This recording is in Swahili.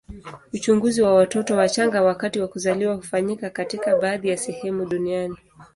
Uchunguzi wa watoto wachanga wakati wa kuzaliwa hufanyika katika baadhi ya sehemu duniani.